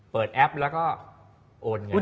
แอปแล้วก็โอนเงิน